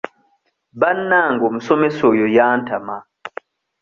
Bannange omusomesa oyo yantama.